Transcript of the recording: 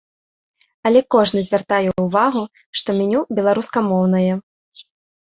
Але кожны звяртае ўвагу, што меню беларускамоўнае.